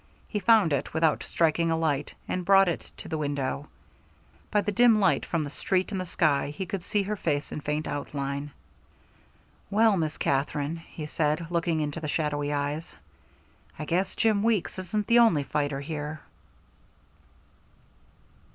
He found it without striking a light, and brought it to the window. By the dim light from the street and the sky, he could see her face in faint outline. "Well, Miss Katherine," he said, looking into the shadowy eyes, "I guess Jim Weeks isn't the only fighter here."